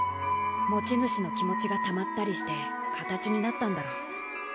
持ち主の気持ちがたまったりして形になったんだろう。